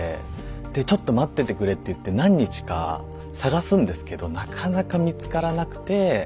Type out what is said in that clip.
で「ちょっと待っててくれ」っていって何日か探すんですけどなかなか見つからなくて。